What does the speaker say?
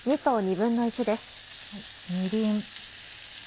みりん。